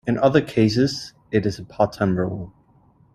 In other cases it is a part-time role.